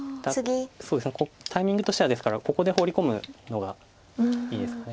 そうですねタイミングとしてはですからここでホウリ込むのがいいですかね。